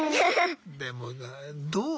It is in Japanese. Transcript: でもねどう？